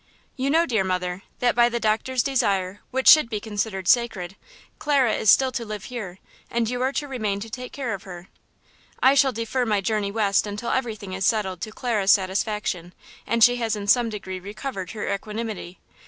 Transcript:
"You know, dear mother, that by the doctor's desire, which should be considered sacred, Clara is still to live here, and you are to remain to take care of her. I shall defer my journey West until everything is settled to Clara's satisfaction, and she has in some degree recovered her equanimity.